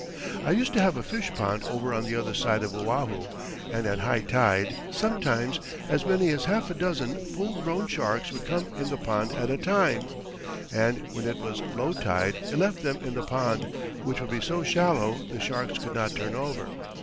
I used to have a fish pond over on the other side of Oahu, and at high tide sometimes as many as half a dozen full grown sharks would come in the pond at a time, and when it was low tide it left them in the pond, which would be so shallow the sharks could not turn over.